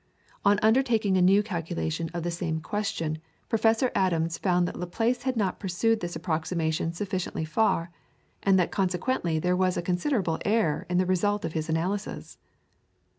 On undertaking a new calculation of the same question, Professor Adams found that Laplace had not pursued this approximation sufficiently far, and that consequently there was a considerable error in the result of his analysis.